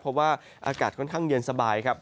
เพราะว่าอากาศค่อนข้างเย็นสบายครับ